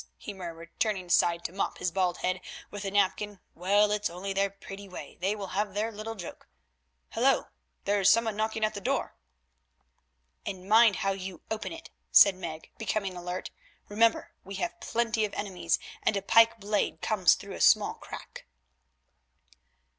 he murmured, turning aside to mop his bald head with a napkin; "well, it's only their pretty way, they will have their little joke. Hullo, there is someone knocking at the door." "And mind how you open it," said Meg, becoming alert. "Remember we have plenty of enemies, and a pike blade comes through a small crack."